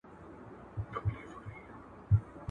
• هندو ستړی، خداى ناراضه.